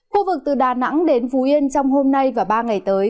khu vực từ đà nẵng đến phú yên trong hôm nay và ba ngày tới